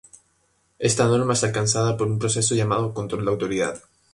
Esta norma es alcanzada por un proceso llamado control de autoridad.